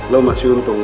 lo masih untung